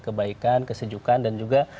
kebaikan kesejukan dan juga